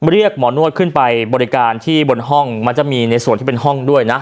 เรียกหมอนวดขึ้นไปบริการที่บนห้องมันจะมีในส่วนที่เป็นห้องด้วยนะ